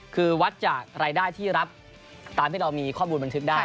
คือวัดจากรายได้ที่รับตามที่เรามีข้อมูลบันทึกได้